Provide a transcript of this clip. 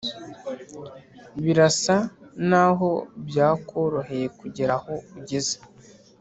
birasa n’aho byakoroheye kugera aho ugeze